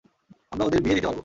আমরা ওদের বিয়ে দিতে পারবো।